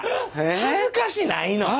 恥ずかしないの？え？